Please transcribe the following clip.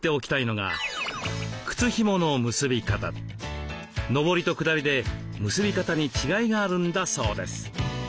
のぼりとくだりで結び方に違いがあるんだそうです。